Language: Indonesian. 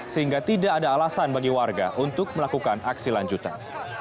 sehingga tidak ada alasan bagi warga untuk melakukan aksi lanjutan